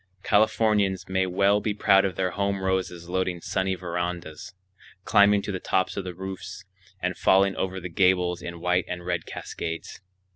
Californians may well be proud of their home roses loading sunny verandas, climbing to the tops of the roofs and falling over the gables in white and red cascades.